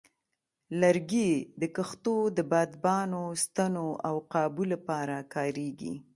لرګي د کښتو د بادبانو، ستنو، او قابو لپاره کارېږي.